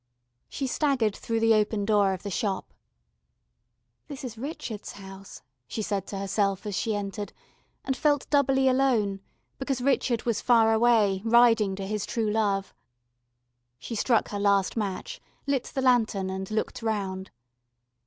She staggered through the open door of the Shop. "This is Richard's house," she said to herself as she entered, and felt doubly alone because Richard was far away, riding to his True Love. She struck her last match, lit the lantern, and looked round.